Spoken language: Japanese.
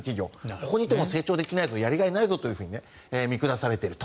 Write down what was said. ここにいても成長できないぞやりがいがないぞと見下されている。